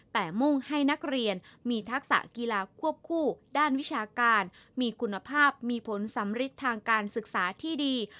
แต่มุ่งให้นักเรียนมีทักษะกีฬาควบคู่ด้านวิชาการมีคุณภาพมีผลสำริดทางการศึกษาที่ดี